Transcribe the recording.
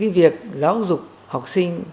việc giáo dục học sinh